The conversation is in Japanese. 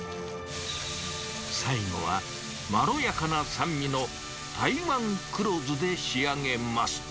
最後はまろやかな酸味の台湾黒酢で仕上げます。